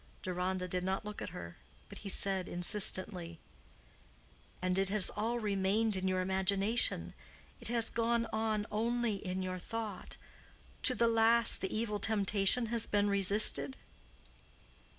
Deronda did not look at her, but he said, insistently, "And it has all remained in your imagination. It has gone on only in your thought. To the last the evil temptation has been resisted?"